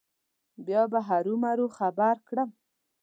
بیا به هرو مرو خبر کړم.